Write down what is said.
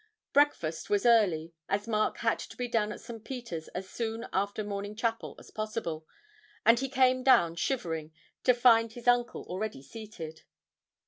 Breakfast was early, as Mark had to be down at St. Peter's as soon after morning chapel as possible, and he came down shivering to find his uncle already seated.